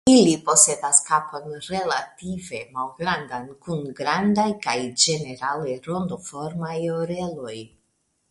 Ili posedas kapon relative malgrandan kun grandaj kaj ĝenerale rondoformaj oreloj.